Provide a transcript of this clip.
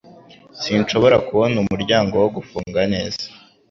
Sinshobora kubona umuryango wo gufunga neza